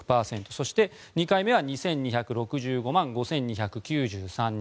そして、２回目は２２６５万５２９３人。